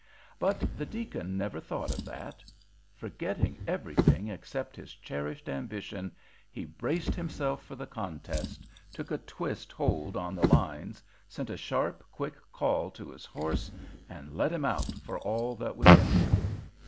But the deacon never thought of that. Forgetting everything except his cherished ambition, he braced himself for the contest, took a twist hold on the lines, sent a sharp, quick call to his horse, and let him out for all that was in him.